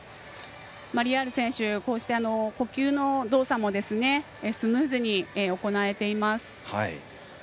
マリヤール選手、こうして呼吸の動作もスムーズに行えています。